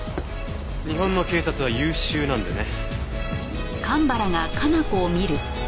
日本の警察は優秀なんでね。